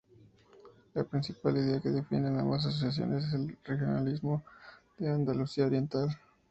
La principal idea que defienden ambas asociaciones es el regionalismo de Andalucía Oriental.